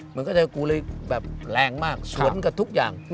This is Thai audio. มันก็เจอกูเลยแบบแรงมากสวนกับทุกอย่าง